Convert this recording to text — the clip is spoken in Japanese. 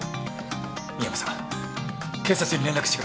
深山さん警察に連絡してください。